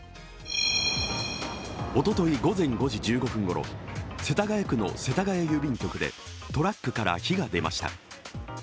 おととい午前５時１５分ごろ、世田谷区の世田谷郵便局でトラックから火が出ました。